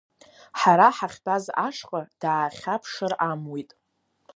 Ҳара ҳахьтәаз ашҟа даахьаԥшыр амуит.